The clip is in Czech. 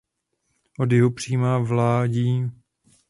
Od jihu přijímá vádí Nachal Cafon.